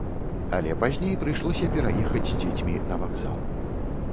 Але пазней прыйшлося пераехаць з дзецьмі на вакзал.